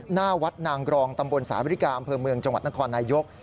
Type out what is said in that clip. หน้าวัดนางกรองตำบลสาวบริการอำเภอเมืองจังหวัดนครนายก